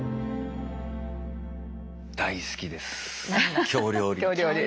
大好きです京料理。